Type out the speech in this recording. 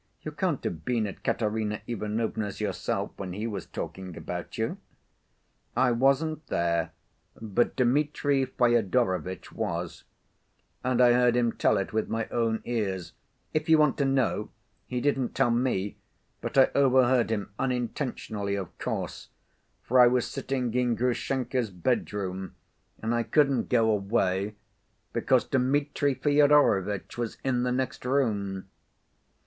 You can't have been at Katerina Ivanovna's yourself when he was talking about you?" "I wasn't there, but Dmitri Fyodorovitch was; and I heard him tell it with my own ears; if you want to know, he didn't tell me, but I overheard him, unintentionally, of course, for I was sitting in Grushenka's bedroom and I couldn't go away because Dmitri Fyodorovitch was in the next room."